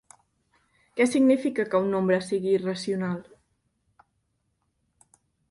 Què significa que un nombre sigui irracional?